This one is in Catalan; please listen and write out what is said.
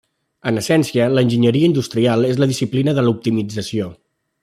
En essència l'enginyeria industrial és la disciplina de l'optimització.